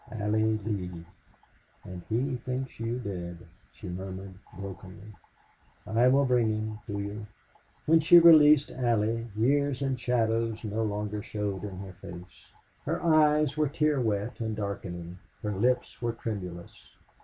"Allie Lee!... and he thinks you dead," she murmured, brokenly. "I will bring him to you." When she released Allie years and shadows no longer showed in her face. Her eyes were tear wet and darkening; her lips were tremulous.